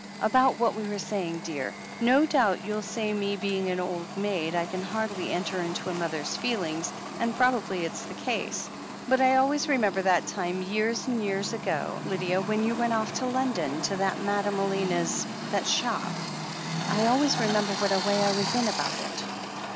"About what we were saying, dear. No doubt, you'll say, me being an old maid, I can hardly enter into a mother's feelings, and probably it's the case. But I always remember that time, years and years ago, Lydia, when you went off to London to that Madame Elena's, that shop — I always remember what a way I was in about it.